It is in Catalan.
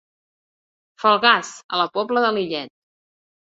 Falgars, a la Pobla de Lillet.